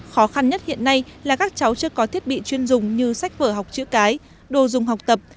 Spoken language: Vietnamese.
khó khăn nhất hiện nay là các cháu chưa có thiết bị chuyên dùng như sách vở học chữ cái đồ dùng học tập